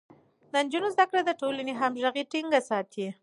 د نجونو زده کړه د ټولنې همغږي ټينګه ساتي.